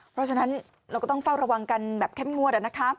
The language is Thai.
เพราะฉะนั้นเราก็ต้องเฝ้าระวังกันแบบเข้มงวด